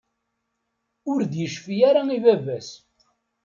Ur d-yecfi ara i baba-s.